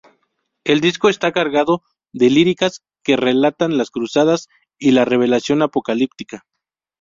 El disco está cargado de líricas que relatan las cruzadas y la revelación apocalíptica.